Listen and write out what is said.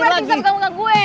bukan berarti set kamu ke gue